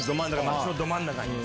街のど真ん中に。